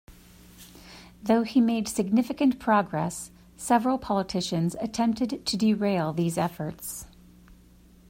Though he made significant progress, several politicians attempted to derail these efforts.